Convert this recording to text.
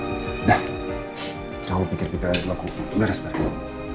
udah terlalu pikir pikir ada di wakilku geras bareng